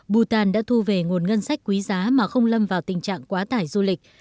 bhutan đã thu về nguồn ngân sách quý giá mà không lâm vào tình trạng quá tải du lịch